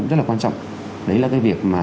rất là quan trọng đấy là cái việc mà